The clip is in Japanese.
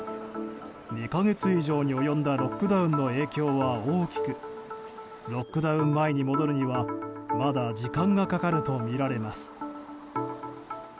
２か月以上に及んだロックダウンの影響は大きくロックダウン前に戻るにはまだ時間がかかるとみられます。